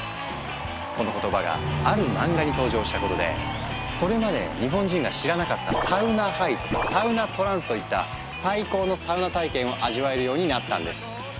この言葉がある漫画に登場したことでそれまで日本人が知らなかった「サウナハイ」とか「サウナトランス」といった最高のサウナ体験を味わえるようになったんです。